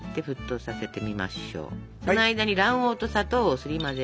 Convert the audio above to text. その間に卵黄と砂糖をすり混ぜ。